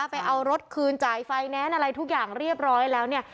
ไปเอารถคืนจ่ายไฟแนนซ์อะไรทุกอย่างเรียบร้อยแล้วเนี่ย